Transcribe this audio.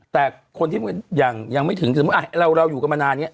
แต่คนที่ยังไม่ถึงสมมุติเราอยู่กันมานานเนี่ย